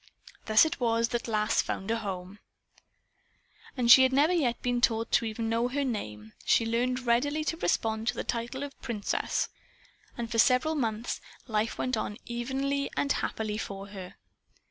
Thus it was that Lass found a home. As she never yet had been taught to know her name, she learned readily to respond to the title of "Princess." And for several months life went on evenly and happily for her.